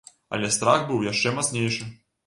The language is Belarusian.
Але страх быў яшчэ мацнейшы.